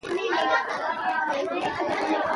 په متني نقد کي د امانت دارۍاصل ساتل کیږي.